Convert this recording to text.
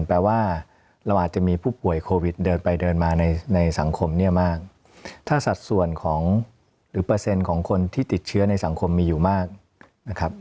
แปลว่าเราอาจจะมีผู้ป่วยโควิดเดินไปเดินมาในสังคมเนี่ยมากถ้าสัดส่วนของหรือเปอร์เซ็นต์ของคนที่ติดเชื้อในสังคมมีอยู่มากนะครับ